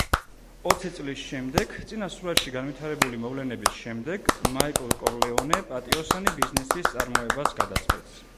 ოცი წლის შემდეგ, წინა სურათში განვითარებული მოვლენების შემდეგ, მაიკლ კორლეონე პატიოსანი ბიზნესის წარმოებას გადაწყვეტს.